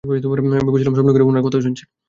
ভেবেছিলাম, স্বপ্নের ঘোরে উনার কথা শুনছি!